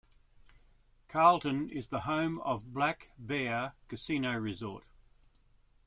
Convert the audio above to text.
Carlton is the home of Black Bear Casino Resort.